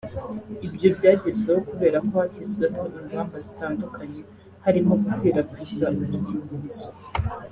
Ibyo byagezweho kubera ko hashyizweho ingamba zitandukanye harimo gukwirakwiza udukingirizo